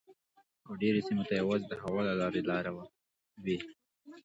خو ډیری سیمو ته یوازې د هوا له لارې لاره وي